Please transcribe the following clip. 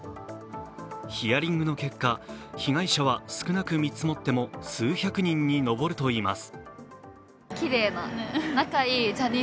ヒアリングの結果、被害者は少なく見積もっても数百人に上るといいます。